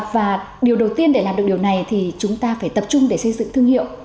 và điều đầu tiên để làm được điều này thì chúng ta phải tập trung để xây dựng thương hiệu